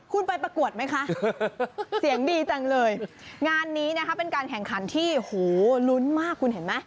คุณไปประกวดไหมคะเสียงดีจังเลยงานนี้นะคะเป็นการแข่งขันที่โหลุ้นมากคุณเห็นไหม